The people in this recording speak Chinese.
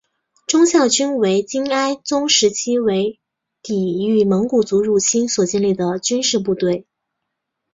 忠孝军为金哀宗时期为抵御蒙古族入侵所建立的军事部队。